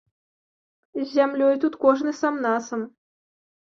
З зямлёй тут кожны сам-насам.